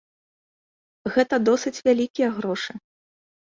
Гэта досыць вялікія грошы.